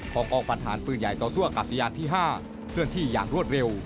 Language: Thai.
กองปัญหาปืนใหญ่ต่อสู้อากาศยานที่๕เคลื่อนที่อย่างรวดเร็ว